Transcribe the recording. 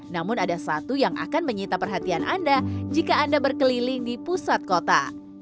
namun ada satu yang akan menyita perhatian anda jika anda berkeliling di pusat kota